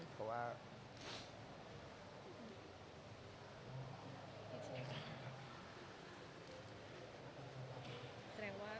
เพราะว่า